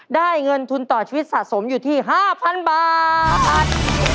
ได้เงินทุนต่อชีวิตสะสมอยู่ที่๕๐๐๐บาท